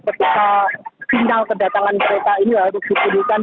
ketika sinyal kedatangan kereta ini harus dipulihkan